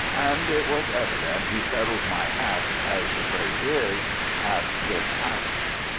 And, it was evident, he settled my hash, as the phrase is, at this house.